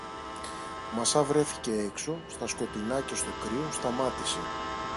Μα σα βρέθηκε έξω, στα σκοτεινά και στο κρύο, σταμάτησε.